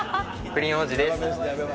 プリン王子です。